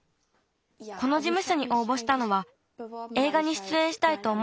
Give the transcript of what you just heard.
このじむしょにおうぼしたのはえいがにしゅつえんしたいとおもってるからです。